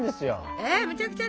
えむちゃくちゃ？